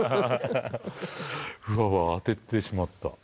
うわわ当ててしまった